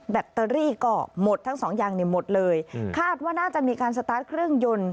แบตเตอรี่ก็หมดทั้งสองอย่างเนี่ยหมดเลยคาดว่าน่าจะมีการสตาร์ทเครื่องยนต์